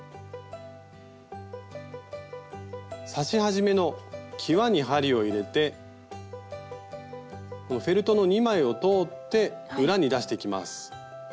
刺し始めのきわに針を入れてフェルトの２枚を通って裏に出していきます。